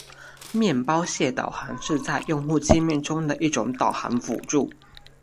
面包屑导航是在用户界面中的一种导航辅助。